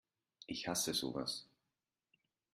Ich hasse sowas!